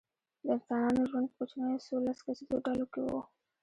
د انسانانو ژوند په کوچنیو څو لس کسیزو ډلو کې و.